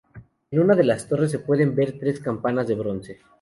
En una de las torres se pueden ver tres campanas de bronce.